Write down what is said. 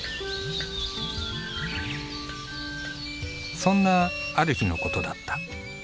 そんなある日のことだった。